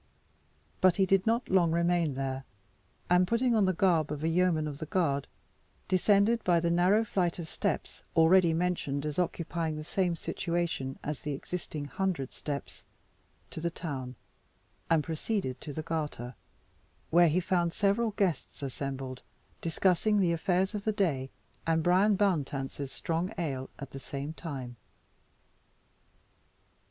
But he did not long remain there, and putting on the garb of a yeoman of the guard, descended by the narrow flight of steps (already mentioned as occupying the same situation as the existing Hundred Steps) to the town, and proceeded to the Garter, where he found several guests assembled, discussing the affairs of the day, and Bryan Bowntance's strong ale at the same time.